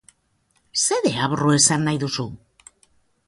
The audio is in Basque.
Zer deabru esan nahi duzu?